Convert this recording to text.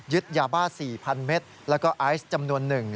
ยึดยาบ้า๔๐๐๐เมตรแล้วก็ไอซ์จำนวนหนึ่ง